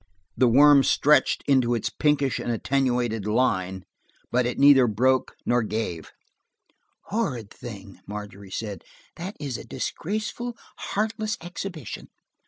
The worm stretched into a pinkish and attenuated line, but it neither broke nor gave. "Horrid thing!" Margery said. "That is a disgraceful, heartless exhibition."